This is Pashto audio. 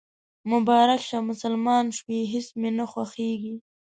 مبارک شه، مسلمان شوېهیڅ مې نه خوښیږي